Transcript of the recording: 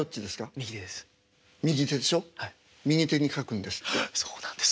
右手に書くんです。